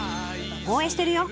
応援してるよ！